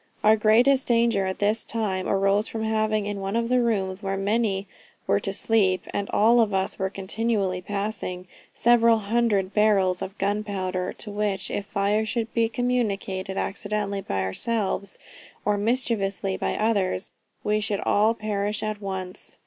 Our greatest danger at this time arose from having in one of the rooms where many were to sleep, and all of us were continually passing, several hundred barrels of gunpowder, to which if fire should be communicated accidentally by ourselves, or mischievously by others, we should all perish at once.